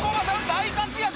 大活躍